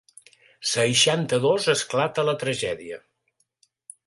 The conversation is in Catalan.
Seixanta-dos esclata la tragèdia.